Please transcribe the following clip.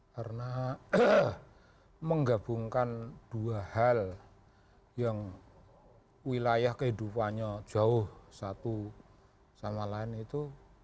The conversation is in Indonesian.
karena menggabungkan dua hal yang wilayah kehidupannya jauh satu sama lain itu